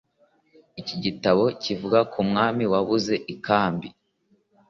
Iki gitabo kivuga ku mwami wabuze ikambi